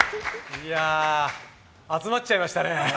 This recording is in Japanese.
いや、集まっちゃいましたね。